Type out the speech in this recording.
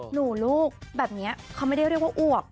ลูกแบบนี้เขาไม่ได้เรียกว่าอวบ